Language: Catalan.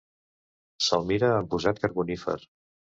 Se'l mira amb posat carbonífer.